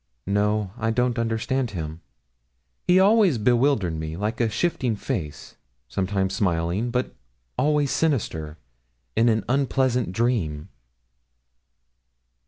No; I don't understand him. He always bewildered me, like a shifting face, sometimes smiling, but always sinister, in an unpleasant dream.'